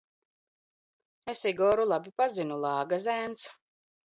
Es Igoru labi pazinu, lāga zēns.